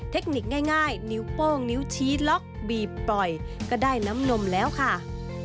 เทคนิคง่ายนิ้วโป้งนิ้วชี้ล็อกบีบปล่อยก็ได้น้ำนมแล้วค่ะ